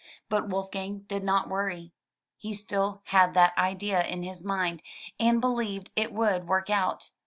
But Wolfgang did not worry. He still had that idea in his mind, and believed it would work out.